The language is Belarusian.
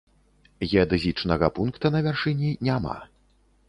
Геадэзічнага пункта на вяршыні няма.